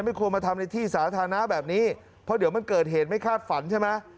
ควรมาทำในที่สาธารณะแบบนี้เพราะเดี๋ยวมันเกิดเหตุไม่คาดฝันใช่ไหม